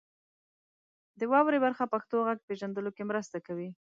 د واورئ برخه پښتو غږ پیژندلو کې مرسته کوي.